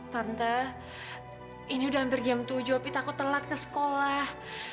tante ini udah hampir jam tujuh tapi takut telat ke sekolah